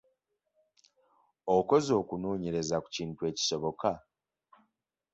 Okoze okunoonyereza ku kintu ekisoboka?